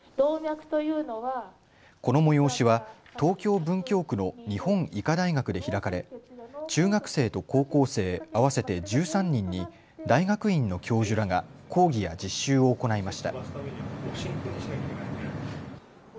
この催しは東京文京区の日本医科大学で開かれ中学生と高校生合わせて１３人に大学院の教授らが講義や実習を行いました。